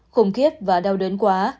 khủng khiếp và đau đớn quá